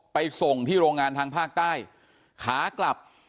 ไปส่งที่โรงงานทางภาคใต้ขากลับ